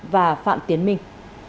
và phạm tiến minh